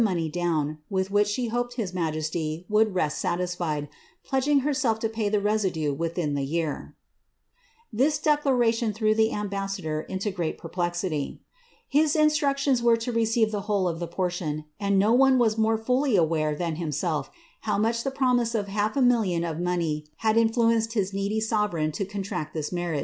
money down, with which she hoped his majesty would rest edging herself to pjiy the resi(hie within the year/" laration threw the ambassador into great perplexity. His were to receive the whole of the portion, and no one was ware than Inmself how much the p)romise of half a million d influenced liis needy sovereign to contract this marriage.